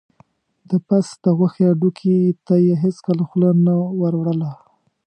د پس د غوښې هډوکي ته یې هېڅکله خوله نه وروړله.